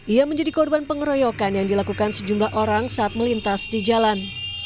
ia menjadi korban pengeroyokan yang dilakukan sejumlah orang saat melintas di jalan